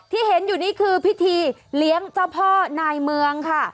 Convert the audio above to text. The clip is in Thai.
ที่เห็นอยู่นี่คือพิธีเลี้ยงเจ้าพ่อนายเมืองค่ะ